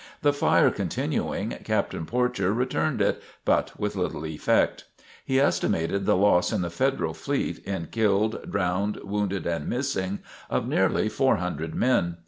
The fire continuing, Captain Porcher returned it, but with little effect. He estimated the loss in the Federal fleet, in killed, drowned, wounded and missing, of nearly four hundred men.